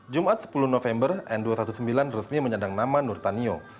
jumat sepuluh november n dua ratus sembilan belas resmi menyandang nama nurtanio